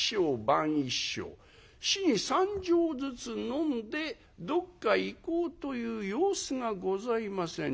日に３升ずつ飲んでどっか行こうという様子がございません。